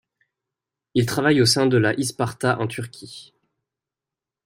Il travaille au sein de la à Isparta en Turquie.